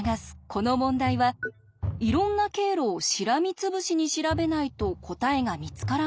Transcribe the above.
この問題はいろんな経路をしらみつぶしに調べないと答えが見つからないのか？